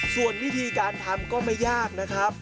ส่วนวิธีการทำก็ไม่ยากนะครับ